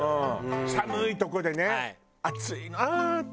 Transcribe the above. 寒いとこでね熱い！